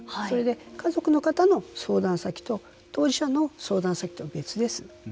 それで、家族の方の相談先と当事者の相談先は別です。